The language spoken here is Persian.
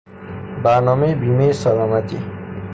برنامهی بیمهی سلامتی